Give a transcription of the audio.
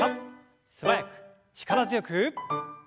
素早く力強く。